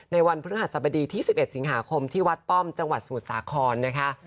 วันพฤหัสบดีที่๑๑สิงหาคมที่วัดป้อมจังหวัดสมุทรสาครนะคะ